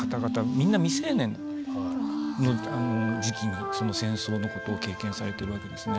みんな未成年の時期にその戦争のことを経験されているわけですね。